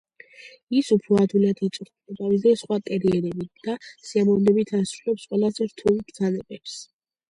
ის უფრო ადვილად იწვრთნება, ვიდრე სხვა ტერიერები და სიამოვნებით ასრულებს ყველაზე რთულ ბრძანებებს.